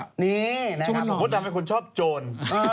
ชนหรอไหมว่าทำไมคุณชอบโจร